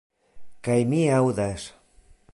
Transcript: Kaj mi aŭdas.